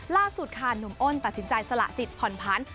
ล่าสุดค่ะหนุ่มอ้นตัดสินใจสละสิทธิ์ผ่อนพันธุ